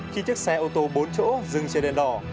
khi chiếc xe ô tô bốn chỗ dừng trên đèn đỏ